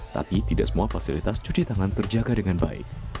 tapi tidak semua fasilitas cuci tangan terjaga dengan baik